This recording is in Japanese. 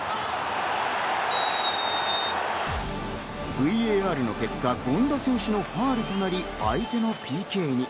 ＶＡＲの結果、権田選手のファウルとなり、相手のＰＫに。